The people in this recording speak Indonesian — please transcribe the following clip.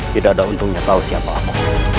tidak ada untungnya tau siapa